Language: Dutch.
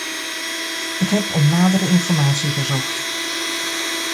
Ik heb om nadere informatie verzocht.